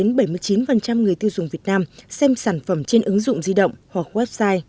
bảy mươi chín người tiêu dùng việt nam xem sản phẩm trên ứng dụng di động hoặc website